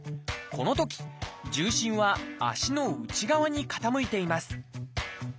このとき重心は足の内側に傾いています。